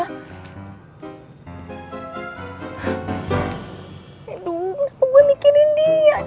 aduh gue mikirin dia